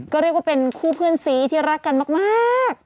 ก็เรียกว่าเป็นคู่เพื่อนซีที่รักกันมาก